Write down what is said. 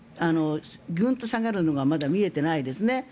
グンと下がるのはまだ見えてないですね。